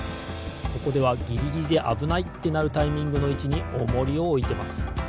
ここではギリギリであぶないってなるタイミングのいちにオモリをおいてます。